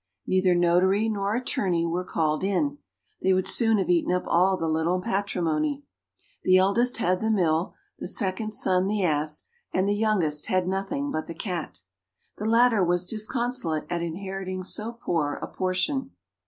Neither notary nor attorney were called in; they would soon have eaten up all the little patrimony. The eldest had the mill; the second son, the ass; and the youngest had nothing but the cat. The latter was disconsolate at inheriting so poor a portion.